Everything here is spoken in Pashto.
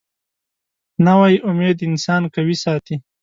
نوې امید انسان قوي ساتي